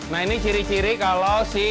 nah ini ciri ciri kalau si arang ini sudah matang